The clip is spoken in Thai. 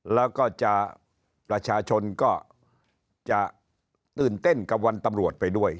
แล้วก็จะประชาชนก็จะตื่นเต้นกับวันตำรวจไปด้วย